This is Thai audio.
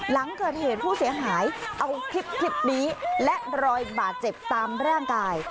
หลังเกิดเหตุผู้เสียหายเอาคลิปนี้และรอยบาดเจ็บตามร่างกาย